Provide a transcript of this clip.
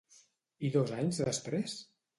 I dos anys després?